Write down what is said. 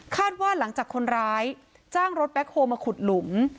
ว่าหลังจากคนร้ายจ้างรถแบ็คโฮลมาขุดหลุม